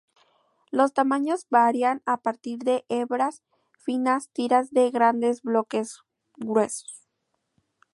Los tamaños varían a partir de hebras finas tiras de grandes bloques gruesos.